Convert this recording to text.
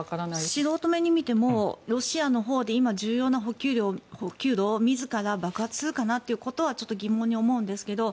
素人目から見てもロシアの重要な補給路を自ら爆発するかなってことは疑問に思うんですけど